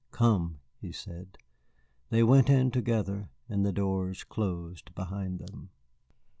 "Come," he said. They went in together, and the doors closed behind them.